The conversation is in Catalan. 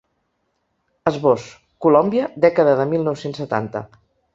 Esbós: Colòmbia, dècada de mil nou-cents setanta.